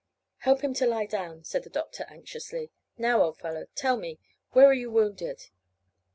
"Help him to lie down," said the doctor anxiously. "Now, old fellow, tell me, where are you wounded?"